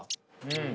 うん！